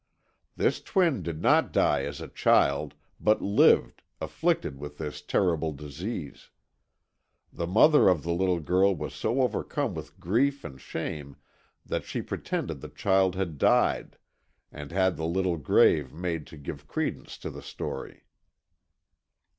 This twin did not die as a child, but lived, afflicted with this terrible disease. The mother of the little girl was so overcome with grief and shame, that she pretended the child had died, and had the little grave made to give credence to the story."